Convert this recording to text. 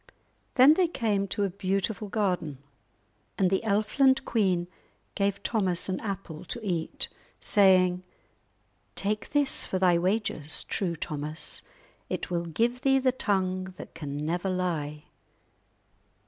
Then they came to a beautiful garden, and the Elfland queen gave Thomas an apple to eat, saying:— "Take this for thy wages, true Thomas; it will give thee the tongue that can never lie."